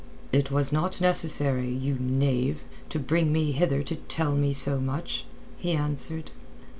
"It was not necessary, you knave, to bring me hither to tell me so much." he answered.